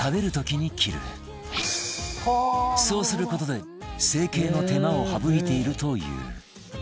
そうする事で成形の手間を省いているという